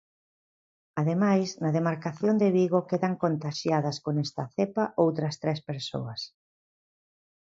Ademais, na demarcación de Vigo quedan contaxiadas con esta cepa outras tres persoas.